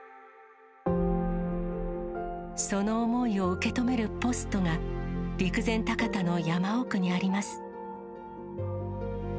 その思いを受け止めるポストが、陸前高田の山奥にあります。